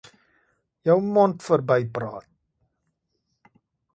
Jou mond verbypraat